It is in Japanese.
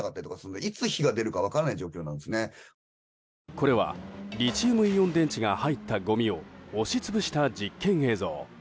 これはリチウムイオン電池が入ったごみを押し潰した実験映像。